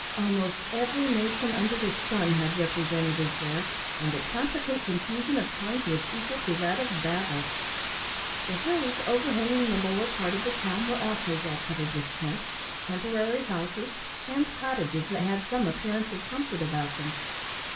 Almost every nation under the sun had representatives there, and the consequent confusion of tongues was equal to that of Babel. The hills overhanging the lower part of the town were also well covered with tents, temporary houses, and cottages that had some appearance of comfort about them.